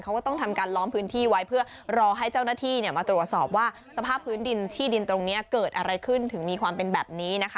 เขาก็ต้องทำการล้อมพื้นที่ไว้เพื่อรอให้เจ้าหน้าที่มาตรวจสอบว่าสภาพพื้นดินที่ดินตรงนี้เกิดอะไรขึ้นถึงมีความเป็นแบบนี้นะคะ